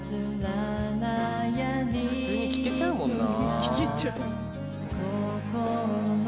普通に聴けちゃうもんな。